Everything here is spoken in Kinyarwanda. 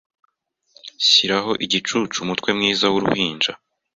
shyiraho igicucu umutwe mwiza wuruhinja